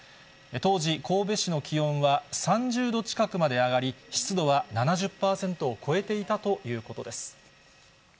当時、神戸市の気温は３０度近くまで上がり、湿度は７０％を超えていたということです。